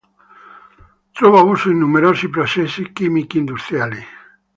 Trova uso in numerosi processi chimici industriali.